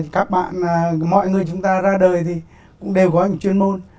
các bạn mọi người chúng ta ra đời thì cũng đều có những chuyên môn